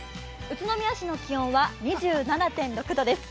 宇都宮市の気温は２７．６度です。